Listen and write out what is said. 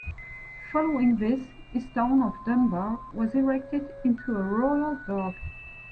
Following this his town of Dunbar was erected into a Royal Burgh.